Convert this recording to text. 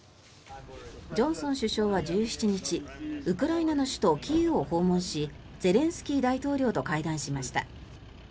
ジョンソン首相は１７日ウクライナの首都キーウを訪問しゼレンスキー大統領と会談しました。